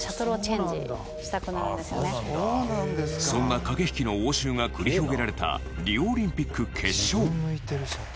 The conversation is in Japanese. そんな駆け引きの応酬が繰り広げられたリオオリンピック決勝。